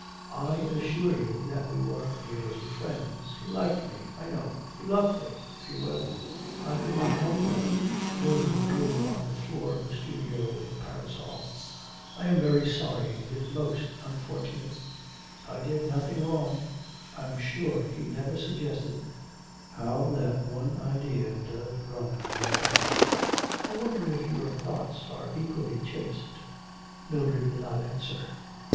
'I assure you that we were merely friends. He liked me, I know he loved me, if you will; I could not help that,' Mildred drew on the floor of the studio with her parasol. 'I am very sorry, it is most unfortunate. I did nothing wrong. I'm sure he never suggested ' 'How that one idea does run in your head. I wonder if your thoughts are equally chaste.' Mildred did not answer.